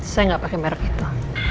saya nggak pakai merek itu